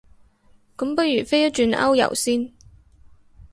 咁不如飛一轉歐遊先